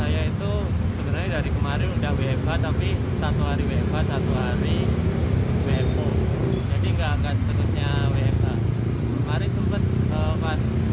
jadi grap kondisi corona diukuran kepakaman edem di salah satu pagi tersebut